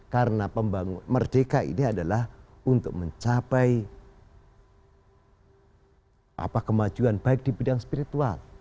karena pembangunan merdeka ini adalah untuk mencapai kemajuan baik di bidang spiritual